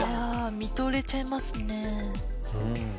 見とれちゃいますね。